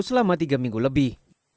selama tiga minggu lebih